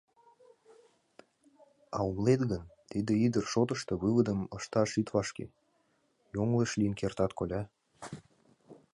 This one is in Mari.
— А умылет гын, тиде ӱдыр шотышто выводым ышташ ит вашке, йоҥылыш лийын кертат, Коля.